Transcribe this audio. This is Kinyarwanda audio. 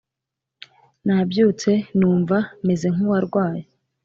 Nabyutse numva meze nkuwarwaye